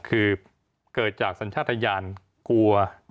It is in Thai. คือเกิดจากสัญชาติยานกลัว